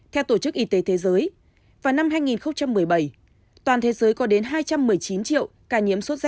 theo tổ chức y tế thế giới vào năm hai nghìn một mươi bảy toàn thế giới có đến hai trăm một mươi chín triệu ca nhiễm sốt z